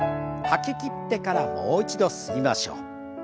吐ききってからもう一度吸いましょう。